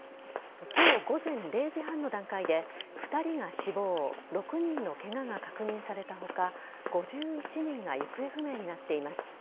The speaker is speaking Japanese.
今日午前０時半の段階で２人が死亡６人のケガが確認された他５１人が行方不明になっています。